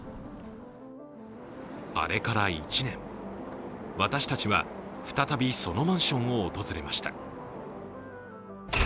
あれから１年、私たちは再びそのマンションを訪れました。